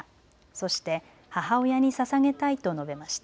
そして母親にささげたいと述べました。